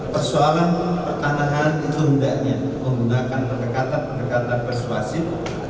persoalan pertanahan itu hendaknya menggunakan pendekatan pendekatan persuasif